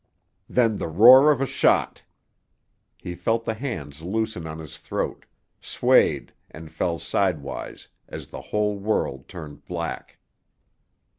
Then the roar of a shot. He felt the hands loosen on his throat, swayed and fell sidewise as the whole world turned black.